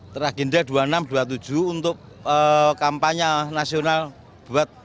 teragenda dua ribu enam ratus dua puluh tujuh untuk kampanye nasional buat dua